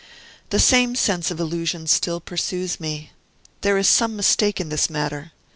The same sense of illusion still pursues me. There is some mistake in this matter.